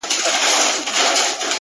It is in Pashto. دا چا ويل چي له هيواده سره شپې نه كوم؛